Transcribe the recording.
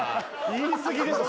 言い過ぎでしょ